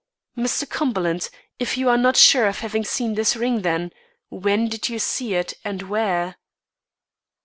"Mr. Cumberland, if you are not sure of having seen this ring then, when did you see it and where?"